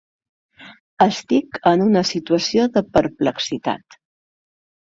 Estic en una situació de perplexitat.